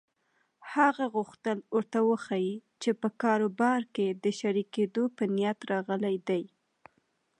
هغه غوښتل ورته وښيي چې په کاروبار کې د شريکېدو په نيت راغلی دی.